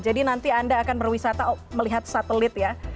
jadi nanti anda akan berwisata melihat satelit ya